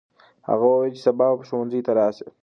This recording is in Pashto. هغه وویل چې سبا به ښوونځي ته راسي.